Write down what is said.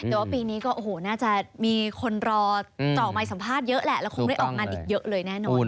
แต่ว่าปีนี้ก็โอ้โหน่าจะมีคนรอเจาะไมค์สัมภาษณ์เยอะแหละแล้วคงได้ออกงานอีกเยอะเลยแน่นอน